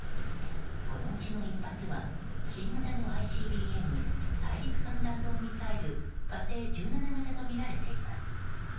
このうちの１発は新型のＩＣＢＭ・大陸間弾道ミサイル「火星１７型」とみられています。